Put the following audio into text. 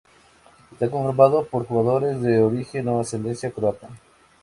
Está conformada por jugadores de origen o ascendencia croata.